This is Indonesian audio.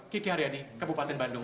kiki haryadi kabupaten bandung